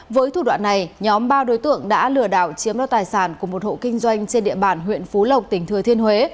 với thủ đoạn này nhóm ba đối tượng đã lừa đảo chiếm đoạt tài sản của một hộ kinh doanh trên địa bàn huyện phú lộc tỉnh thừa thiên huế